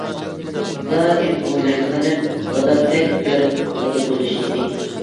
دائىم ئويلايدىغىنىم دادامدەك بىر دادا بولۇش ئىدى.